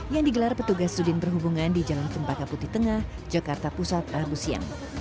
yang digelar petugas sudin perhubungan di jalan kempaka putih tengah jakarta pusat rabu siang